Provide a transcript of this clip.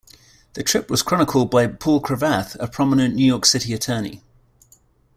The trip was chronicled by Paul Cravath, a prominent New York City attorney.